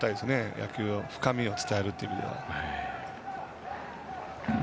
野球の深みを伝えるというのは。